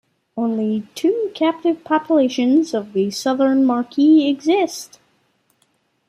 Only two captive populations of the southern muriqui exist.